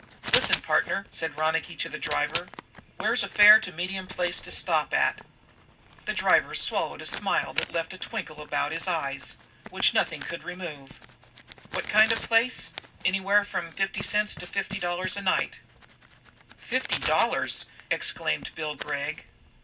"Listen, partner," said Ronicky to the driver. "Where's a fair to medium place to stop at?" The taxi driver swallowed a smile that left a twinkle about his eyes which nothing could remove. "What kind of a place? Anywhere from fifty cents to fifty bucks a night." "Fifty dollars!" exclaimed Bill Gregg.